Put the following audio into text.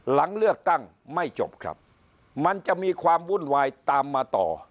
หลังเลือกตั้งไม่จบครับมันจะมีความวุ่นวายตามมาต่อ